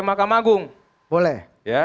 makam agung boleh